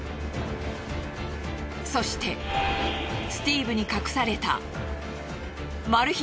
そしてスティーブに隠されたマル秘